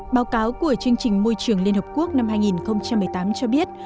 báo cáo của chương trình môi trường liên hợp quốc năm hai nghìn một mươi tám cho biết